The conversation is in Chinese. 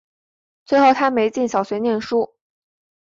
最后她没进小学念书